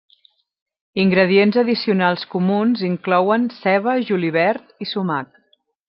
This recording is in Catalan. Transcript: Ingredients addicionals comuns inclouen ceba, julivert i sumac.